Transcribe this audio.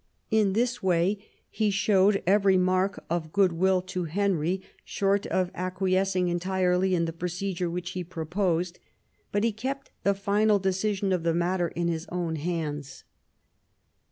In this way he IX THE KING'S DIVORCE 166 showed every mark of goodwill to Henry short of ac quiescing entirely in the procedure which he proposed ; but he kept the final decision of the matter in his own hands.